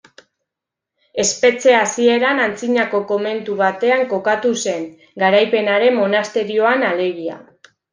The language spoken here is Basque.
Espetxea hasieran antzinako komentu batean kokatu zen, Garaipenaren monasterioan alegia.